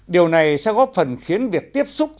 điều này sẽ góp phần khiến việc tiếp xúc